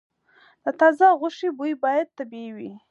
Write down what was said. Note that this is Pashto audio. د تازه غوښې بوی باید طبیعي وي.